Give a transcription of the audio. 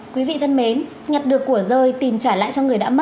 quý vị thân mến nhật được của rơi tìm trả lại cho người đã mất